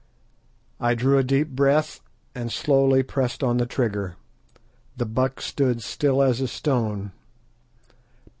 I drew a deep breath, and slowly pressed on the trigger. The buck stood still as a stone.